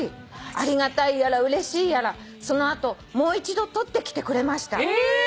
「ありがたいやらうれしいやらその後もう一度採ってきてくれました」